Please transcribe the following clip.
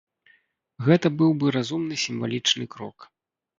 Гэта быў бы разумны сімвалічны крок.